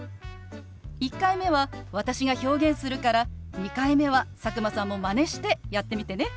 １回目は私が表現するから２回目は佐久間さんもマネしてやってみてね。